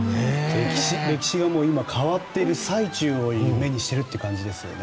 歴史が変わっている最中を目にしているという感じですよね。